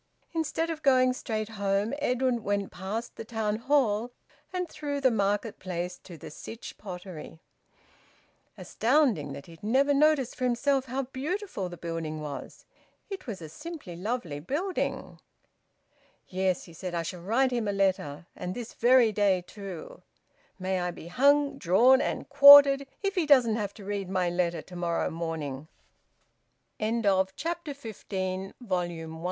Instead of going straight home Edwin went past the Town Hall and through the Market Place to the Sytch Pottery. Astounding that he had never noticed for himself how beautiful the building was! It was a simply lovely building! "Yes," he said, "I shall write him a letter, and this very day, too! May I be hung, drawn, and quartered if he doesn't have to read my letter to morrow morning!" VOLUME ONE, CHAPTER SIXTEEN. THE LETTER.